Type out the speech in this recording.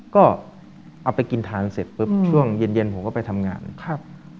ก็เอาไปกินทานเสร็จปุ๊บช่วงเย็นเย็นผมก็ไปทำงานครับ